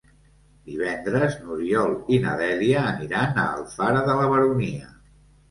Divendres n'Oriol i na Dèlia aniran a Alfara de la Baronia.